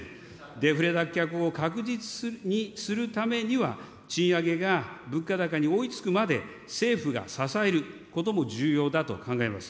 デフレ脱却を確実にするためには、賃上げが物価高に追いつくまで政府が支えることも重要だと考えます。